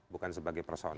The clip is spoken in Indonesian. bukan sebagai person